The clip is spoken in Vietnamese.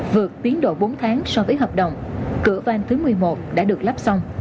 vượt tiến độ bốn tháng so với hợp đồng cửa van thứ một mươi một đã được lắp xong